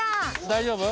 大丈夫？